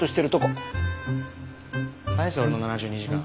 返せ俺の７２時間。